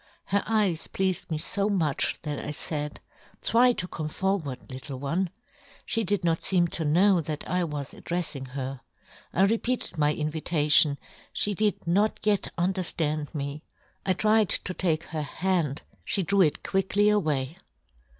* Her eyes pleafed me fo " much that I faid, ' Try to come " forward, little one.' She did not " feem to know that I was addreff " ing her. I repeated my invitation ;" {he did not yet underftand me ;" I tried to take her hand ; fhe drew " it quickly away.